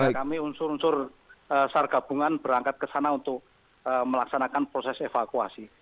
jadi kami unsur unsur sar gabungan berangkat ke sana untuk melaksanakan proses evakuasi